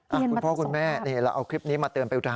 คุณพ่อคุณแม่เราเอาคลิปนี้มาเตรียมค่ะ